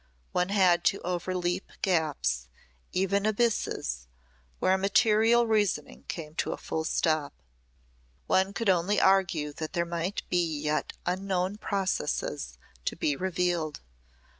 One had to overleap gaps even abysses where material reasoning came to a full stop. One could only argue that there might be yet unknown processes to be revealed.